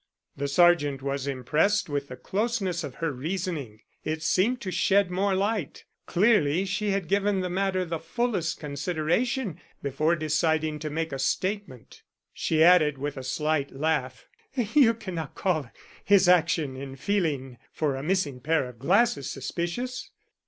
The sergeant was impressed with the closeness of her reasoning it seemed to shed more light. Clearly she had given the matter the fullest consideration before deciding to make a statement. She added with a slight laugh: "You cannot call his action in feeling for a missing pair of glasses suspicious?"